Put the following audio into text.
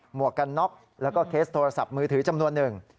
วกกันน็อกแล้วก็เคสโทรศัพท์มือถือจำนวนหนึ่ง